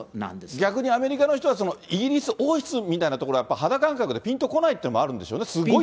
逆にアメリカの人は、イギリス王室みたいなところは、やっぱり肌感覚でピンとこないということもあるんでしょうね。